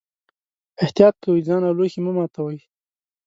احتیاط کوئ، ځان او لوښي مه ماتوئ.